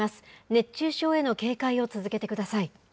熱中症への警戒を続けてください。